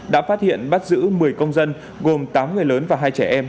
đã phát hiện bắt giữ một mươi công dân gồm tám người lớn và hai trẻ em